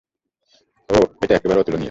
ওহ, এটা একেবারে অতুলনীয়।